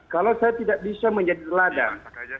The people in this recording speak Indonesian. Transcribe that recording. kalau saya tidak bisa menjadi teladan